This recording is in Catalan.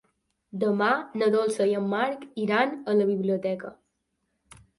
Demà na Dolça i en Marc iran a la biblioteca.